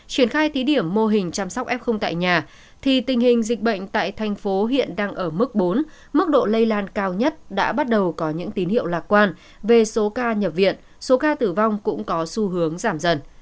triển khai thí điểm mô hình chăm sóc f tại nhà thì tình hình dịch bệnh tại thành phố hiện đang ở mức bốn mức độ lây lan cao nhất đã bắt đầu có những tín hiệu lạc quan về số ca nhập viện số ca tử vong cũng có xu hướng giảm dần